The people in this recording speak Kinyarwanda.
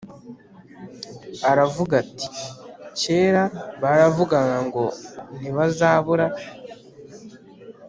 Aravuga ati Kera baravugaga ngo ntibazabura